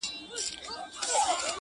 وهر يو رگ ته يې د ميني کليمه وښايه.